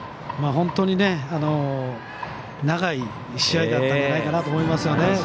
本当に長い試合だったんじゃないかと思いますよね。